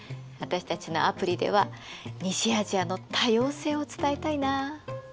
私たちのアプリでは西アジアの多様性を伝えたいな。